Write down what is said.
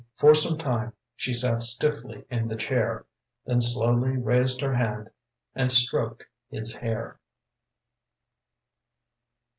For some time she sat stiffly in the chair. Then slowly raised her hand and stroked his hair.